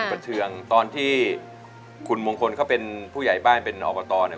ประเชืองตอนที่คุณมงคลเขาเป็นผู้ใหญ่บ้านเป็นอบตเนี่ย